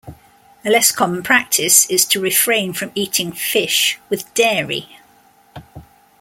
A less common practice is to refrain from eating fish with dairy.